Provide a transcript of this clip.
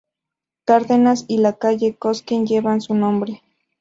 Cárdenas y la calle Cosquín, llevan su nombre.